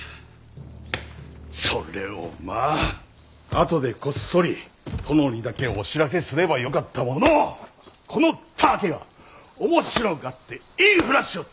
それをまあ後でこっそり殿にだけお知らせすればよかったものをこのたわけは面白がって言い触らしよって！